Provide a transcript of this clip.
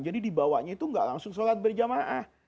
jadi dibawanya itu tidak langsung solat berjamaah